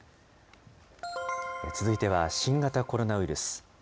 続いては新型コロナウイルス。